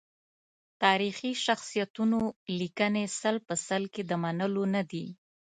تاریخي شخصیتونو لیکنې سل په سل کې د منلو ندي.